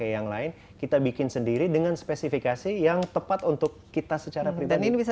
yang lain kita bikin sendiri dengan spesifikasi yang tepat untuk kita secara pribadi bisa